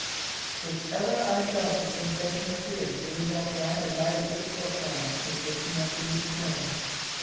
If ever I felt the sensation of fear, it was after I had lighted this port fire, which was connected with the train.